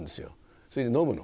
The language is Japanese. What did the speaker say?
それで飲むの。